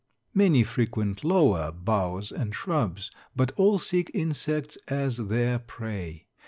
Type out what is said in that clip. Many frequent lower boughs and shrubs, but all seek insects as their prey.